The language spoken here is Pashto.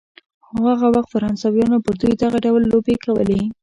خو هغه وخت فرانسویانو پر دوی دغه ډول لوبې کولې.